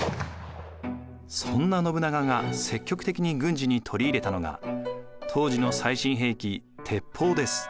そんな信長が積極的に軍事に取り入れたのが当時の最新兵器鉄砲です。